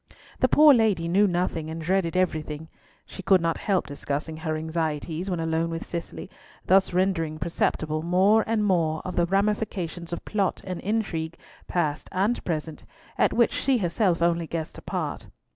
The poor lady knew nothing, and dreaded everything. She could not help discussing her anxieties when alone with Cicely, thus rendering perceptible more and more of the ramifications of plot and intrigue—past and present—at which she herself only guessed a part.